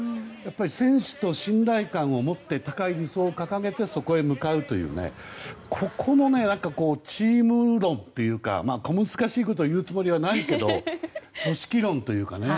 選手と信頼感を持って高い理想を掲げてそこへ向かうというここもチーム論というか小難しいことを言うつもりはないけど組織論というかね